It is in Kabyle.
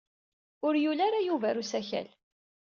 Ur yuli ara Yuba ɣer usakal.